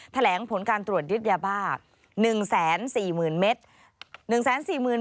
แถลงผลการตรวจยึดยาบ้า๑๔๐๐๐เมตร